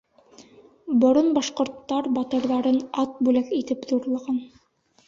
— Борон башҡорттар батырҙарын ат бүләк итеп ҙурлаған.